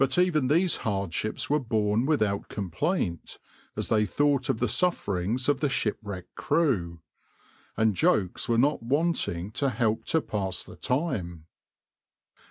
But even these hardships were borne without complaint, as they thought of the sufferings of the shipwrecked crew, and jokes were not wanting to help to pass the time.